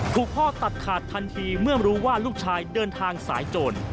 ถูกพ่อตัดขาดทันทีเมื่อรู้ว่าลูกชายเดินทางสายโจร